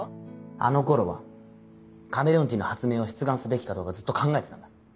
あの頃はカメレオンティーの発明を出願すべきかどうかずっと考えてたんだ。